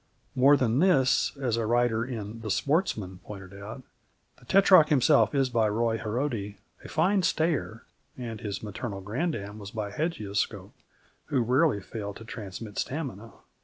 More than this, as a writer in The Sportsman pointed out: "The Tetrarch himself is by Roi Herode, a fine stayer, and his maternal grand dam was by Hagioscope, who rarely failed to transmit stamina."